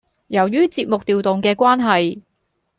由於節目調動嘅關係